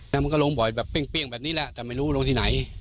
แล้วมันก็ลงบ่อยแบบเปรี้ยงแบบนี้แหละแต่ไม่รู้ลงที่ไหน